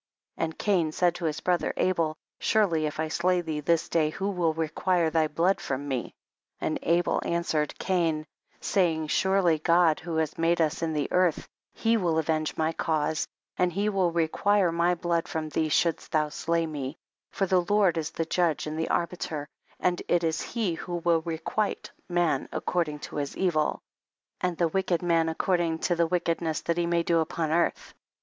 And Cain said to his brother Abel, surely if I slay thee this day, who will require thy blood from me ? 22. And Abel answered Cain, saying, surely God who has made us in'the earth, he will avenge my cause, and he will require my blood from thee shouldst thou slay me, for the Lord is the judge and arbiter, and it is he who will requite man according to his evil, and the wicked man ac cording to the wickedness that he may do upon earth.